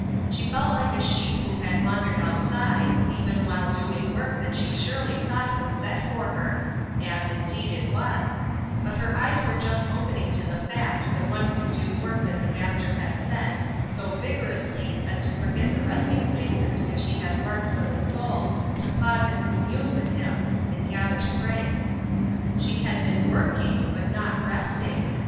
She felt like a sheep who had wandered outside, even while doing work that she surely thought was set for her — as, indeed, it was; but her eyes were just opening to the fact that one can do work that the Master has set, so vigor ously as to forget the resting places which he has marked for the soul to pause and commune with him, and gather strength. She had been working^ but not resting.